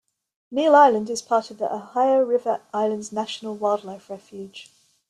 Neal Island is a part of the Ohio River Islands National Wildlife Refuge.